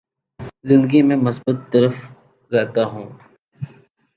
زندگی میں مثبت طرف رہتا ہوں